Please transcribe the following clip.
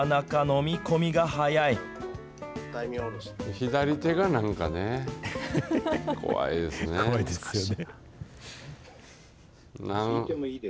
左手がなんかね、怖いですね。